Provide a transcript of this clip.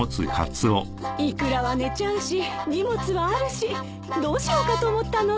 イクラは寝ちゃうし荷物はあるしどうしようかと思ったの。